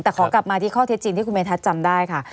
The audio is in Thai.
แต่ขอกลับมาที่ข้อเท็จจริงที่คุณเมธัศนจำได้ค่ะ